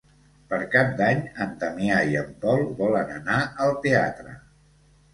Per Cap d'Any en Damià i en Pol volen anar al teatre.